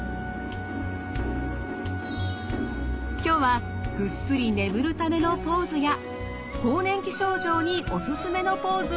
今日はぐっすり眠るためのポーズや更年期症状にオススメのポーズをご紹介。